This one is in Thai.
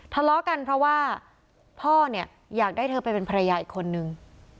ทะเลาะกันเพราะว่าพ่อเนี่ยอยากได้เธอไปเป็นภรรยาอีกคนนึง